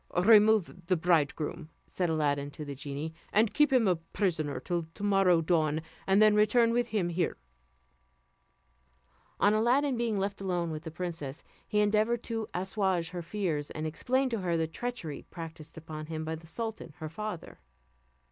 "Remove the bridegroom," said Aladdin to the genie, "and keep him a prisoner till to morrow dawn, and then return with him here." On Aladdin being left alone with the princess, he endeavoured to assuage her fears, and explained to her the treachery practiced upon him by the sultan her father.